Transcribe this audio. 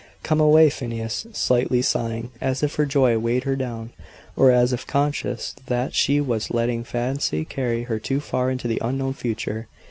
"Come away, Phineas!" slightly sighing, as if her joy weighed her down, or as if conscious that she was letting fancy carry her too far into the unknown future.